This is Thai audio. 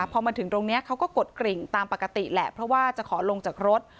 พอมาถึงตรงนี้เขาก็กดกริ่งตามปกติแหละเพราะว่าจะขอลงจากรถ